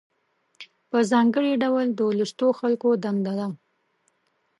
په ځانګړي ډول د لوستو خلکو دنده ده.